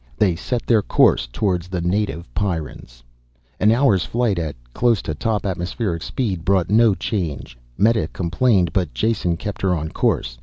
They set their course towards the native Pyrrans. An hour's flight at close to top atmospheric speed brought no change. Meta complained, but Jason kept her on course.